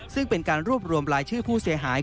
ซึ่งเป็นการรวบรวมรายชื่อผู้เสียหาย